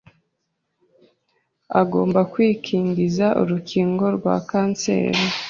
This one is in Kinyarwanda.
agomba kwikingiza urukingo rwa kanseri